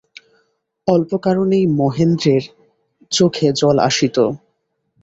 অল্প কারণেই মহেন্দ্রের চোখে জল আসিত।